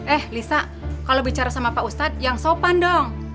eh lisa kalau bicara sama pak ustadz yang sopan dong